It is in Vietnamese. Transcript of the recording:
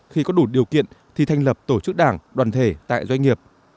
khi có đủ điều kiện thì thành lập tổ chức đảng đoàn thể tại doanh nghiệp